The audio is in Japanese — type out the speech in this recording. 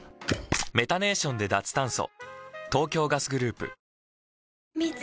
メタネーションで脱炭素。